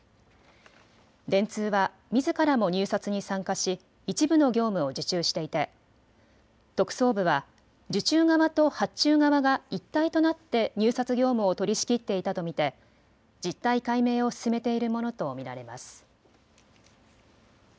電通はみずからも入札に参加し一部の業務を受注していて特捜部は受注側と発注側が一体となって入札業務を取りしきっていたと見て実態解明を進めているものと見られます。